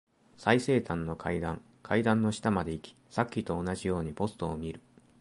最西端の階段。階段の下まで行き、さっきと同じようにポストを見る。